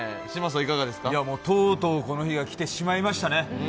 とうとうこの日が来てしまいましたね。